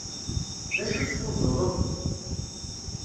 D acu tesxuẓẓuḍeḍ?